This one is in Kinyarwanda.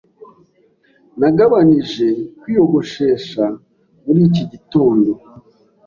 Nagabanije kwiyogoshesha muri iki gitondo.